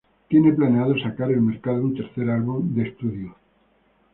Tiene planeado sacar al mercado un tercer álbum de estudio.